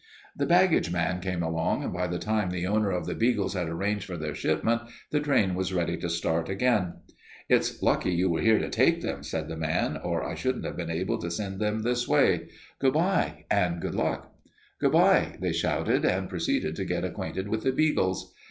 The baggage man came along, and by the time the owner of the beagles had arranged for their shipment the train was ready to start again. "It's lucky you were here to take them," said the man, "or I shouldn't have been able to send them this way. Good by and good luck." "Good by," they shouted, and proceeded to get acquainted with the beagles.